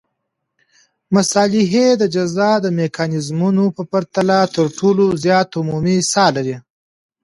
مصالحې د جزا د میکانیزمونو په پرتله تر ټولو زیات عمومي ساه لري.